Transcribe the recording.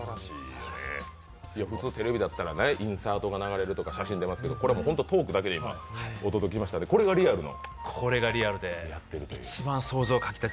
普通テレビだったらインサートが流れるとか写真出ますけどこれはもう本当、トークだけで今お届けしましたのでこれがリアルの？